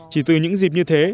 chỉ từ những dịp như thế